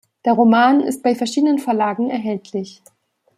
Der Roman ist bei verschiedenen Verlagen erhältlich.